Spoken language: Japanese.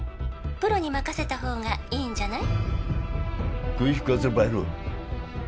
「プロに任せたほうがいいんじゃない？」